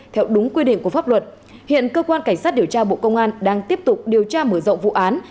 theo đúng quy định của pháp luật hiện cơ quan cảnh sát điều tra bộ công an đang tiếp tục điều tra mở rộng vụ án